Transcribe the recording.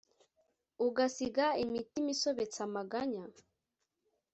ugasiga imitima isobetse amaganya?